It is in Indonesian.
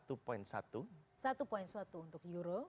satu satu untuk euro